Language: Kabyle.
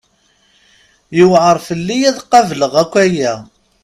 Yuɛer fell-i ad qableɣ akk aya!